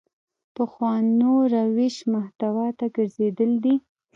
پخوانو روش محتوا ته ګرځېدل دي.